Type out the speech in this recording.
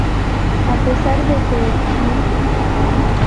A pesar de que el Lic.